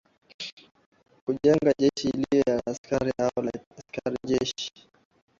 kujenga jeshi iwe askari polisi au askari jeshi